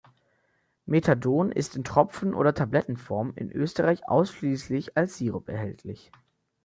Methadon ist in Tropfen- oder Tablettenform, in Österreich ausschließlich als Sirup, erhältlich.